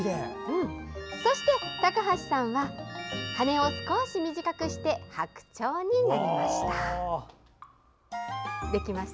そして、たかはしさんは羽を少し短くして白鳥になりました。